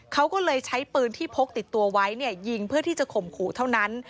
เขาก็เลยใช้ปืนที่พกติดตัวไว้เนี่ยยิงเพื่อที่จะข่มขู่เท่านั้น